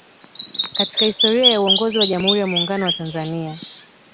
Katika historia ya uongozi wa Jamhuri ya Muungano wa Tanzania